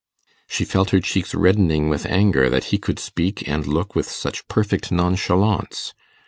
She felt her cheeks reddening with anger that he could speak and look with such perfect nonchalance.